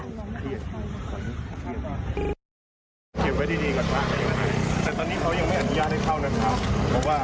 เดี๋ยวนาทีนี้พี่จะช่วยเรานะครับ